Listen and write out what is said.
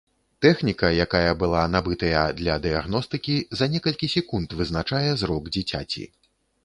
Тэхніка, якая была набытыя для дыягностыкі, за некалькі секунд вызначае зрок дзіцяці.